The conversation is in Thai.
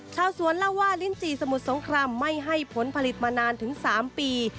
ชาวสวนเล่าว่าลิ้นจีสมุทรสงครามไม่ให้ผลผลิตมานานถึง๓ปี